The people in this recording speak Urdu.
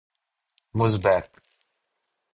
موزمبیق